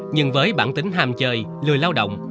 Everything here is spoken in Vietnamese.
nhưng với bản tính ham chơi lười lao động